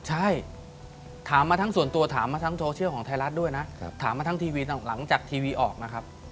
ใช่ถามมาทั้งส่วนตัวถามมาทั้งโซเชียลของไทยรัฐด้วยนะถามมาทั้งทีวีหลังจากทีวีออกนะครับ